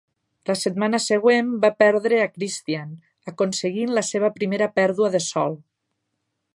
La setmana següent va perdre a Christian, aconseguint la seva primera pèrdua de sol.